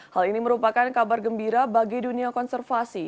hal ini merupakan kabar gembira bagi dunia konservasi